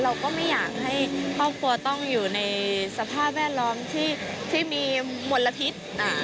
เราก็ไม่อยากให้ครอบครัวต้องอยู่ในสภาพแวดล้อมที่มีมลพิษ